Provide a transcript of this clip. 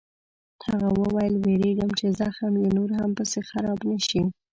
هغه وویل: وېرېږم چې زخم یې نور هم پسې خراب نه شي.